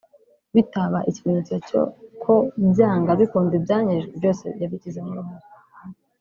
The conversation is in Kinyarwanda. bitaba ikimenyetso ko byanga bikunda ibyanyerejwe byose yabigizemo uruhare